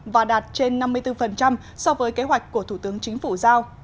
và đạt trên năm mươi bốn so với kế hoạch của thủ tướng chính phủ giao